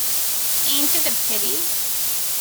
Ain't it a pity?